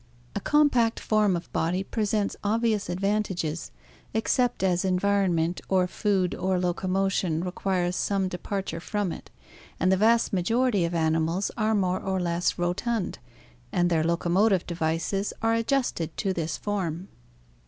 "A compact form of body presents obvious advantages, except as environment or food or locomotion requires some departure from it, and the vast majority of animals are more or less rotund, and their locomotive devices are adjusted to this form.